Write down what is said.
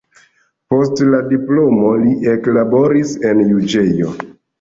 Post la diplomo li eklaboris en juĝejo.